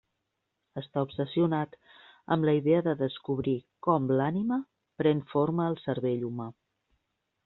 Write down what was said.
Està obsessionat amb la idea de descobrir com l'ànima pren forma al cervell humà.